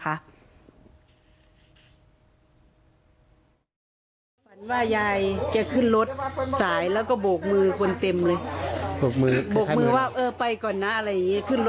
คิดไม่ให้ฝันว่าเก๋จะมาเสีย